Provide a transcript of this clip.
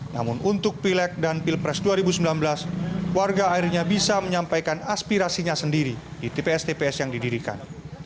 namun untuk pilek dan pilpres dua ribu sembilan belas warga akhirnya bisa menyampaikan aspirasinya sendiri di tps tps yang didirikan